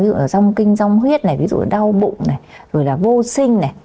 ví dụ là rong kinh rong huyết này ví dụ là đau bụng này rồi là vô sinh này